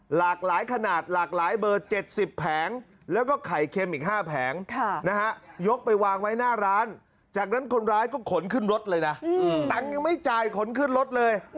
หลากหลายขนาดหลากหลายเบอร์๗๐แผงแล้วก็ไข่เค็มอีก๕แผงนะฮะยกไปวางไว้หน้าร้านจากนั้นคนร้ายก็ขนขึ้นรถเลยนะตังค์ยังไม่จ่ายขนขึ้นรถเลย